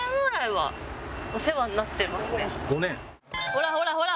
ほらほらほら！